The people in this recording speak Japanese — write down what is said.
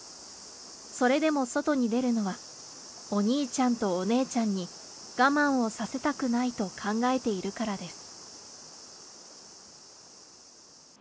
それでも外に出るのは、お兄ちゃんとお姉ちゃんに、我慢をさせたくないと考えているからです。